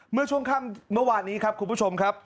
เมื่อช่วงค่ำเมื่อวานนี้ครับคุณผู้ชมครับ